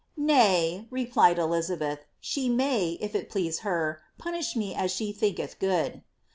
^^ Nay," replied Elizabeth, ^ she may, if it please her, punish me as she thinketh go<xl."